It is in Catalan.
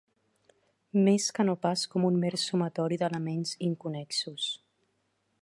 Més que no pas com un mer sumatori d'elements inconnexos.